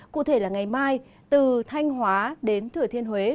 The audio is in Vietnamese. cụ thể là ngày mai từ thanh hóa đến thừa thiên huế